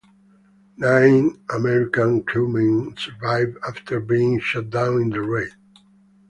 Nine American crewmen survived after being shot down in the raid.